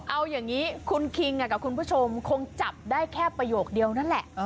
เอาอย่างนี้คุณคิงกับคุณผู้ชมคงจับได้แค่ประโยคเดียวนั่นแหละ